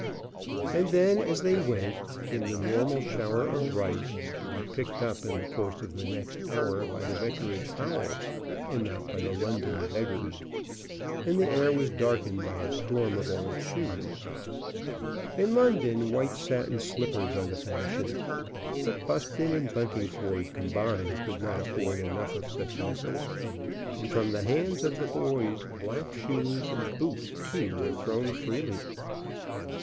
And then, as they went, came the normal shower of rice, to be picked up in the course of the next hour by the vicarage fowls, and not by the London beggars, and the air was darkened by a storm of old shoes. In London, white satin slippers are the fashion. But Buston and Buntingford combined could not afford enough of such missiles; and from the hands of the boys black shoes, and boots too, were thrown freely.